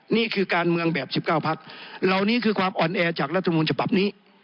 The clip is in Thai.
นี่คือการเมืองแบบ๑๙พักเหล่านี้คือความอ่อนแอจากรัฐมนต์ฉบับนี้